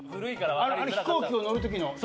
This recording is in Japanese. あの飛行機に乗る時の。